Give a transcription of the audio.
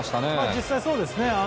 実際、そうですね。